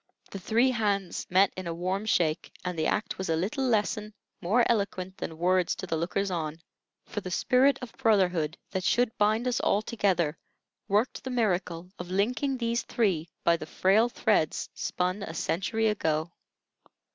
The three hands met in a warm shake, and the act was a little lesson more eloquent than words to the lookers on; for the spirit of brotherhood that should bind us all together worked the miracle of linking these three by the frail threads spun a century ago.